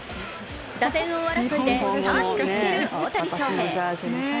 打点王争いで３位につける大谷翔平。